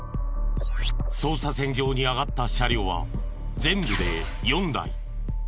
捜査線上にあがった車両は全部で４台。